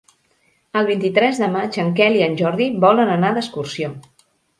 El vint-i-tres de maig en Quel i en Jordi volen anar d'excursió.